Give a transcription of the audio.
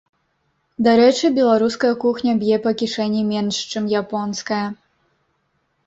Дарэчы, беларуская кухня б'е па кішэні менш, чым японская.